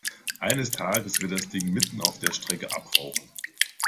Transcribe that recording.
Eines Tages wird das Ding mitten auf der Strecke abrauchen.